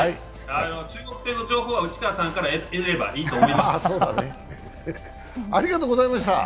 中国戦の情報は内川さんから得ればいいと思います。